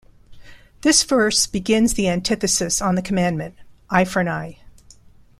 This verse begins the antithesis on the commandment: "Eye for an eye".